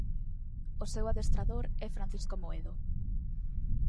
O seu adestrador é Francisco Amoedo.